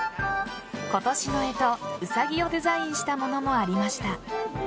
今年の干支・ウサギをデザインしたものもありました。